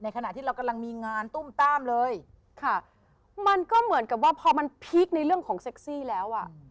ขณะที่เรากำลังมีงานตุ้มต้ามเลยค่ะมันก็เหมือนกับว่าพอมันพีคในเรื่องของเซ็กซี่แล้วอ่ะ